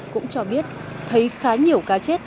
cũng cho biết thấy khá nhiều cá chết